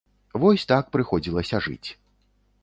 Вось так прыходзілася жыць.